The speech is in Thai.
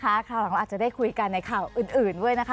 คราวหลังเราอาจจะได้คุยกันในข่าวอื่นด้วยนะคะ